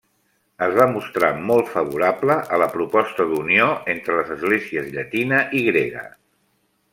Es va mostrar molt favorable a la proposta d'unió entre les esglésies llatina i grega.